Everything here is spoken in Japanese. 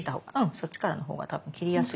そっちからのほうがたぶん切りやすい。